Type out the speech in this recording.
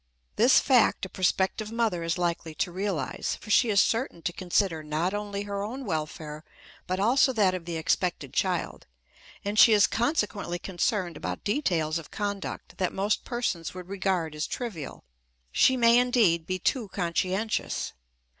This fact a prospective mother is likely to realize, for she is certain to consider not only her own welfare but also that of the expected child; and she is consequently concerned about details of conduct that most persons would regard as trivial. She may, indeed, be too conscientious.